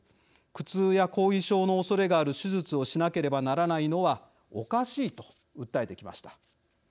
苦痛や後遺症のおそれがある手術をしなければならないのはおかしいと訴えてきました。